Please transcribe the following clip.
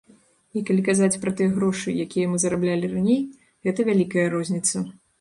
І калі казаць пра тыя грошы, якія мы зараблялі раней, гэта вялікая розніца.